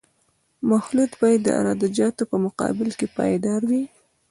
مخلوط باید د عراده جاتو په مقابل کې پایدار وي